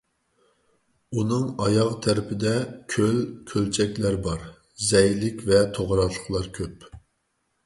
ئۇنىڭ ئاياغ تەرىپىدە كۆل، كۆلچەكلەر بار، زەيلىك ۋە توغراقلىقلار كۆپ.